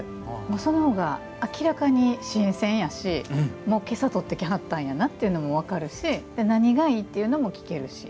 そのほうが明らかに新鮮やし、けさ採ってきはったんやなというのも分かるし、何がいいかも聞けるし。